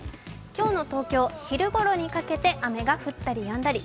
今日の東京、昼ごろにかけて雨が降ったりやんだり。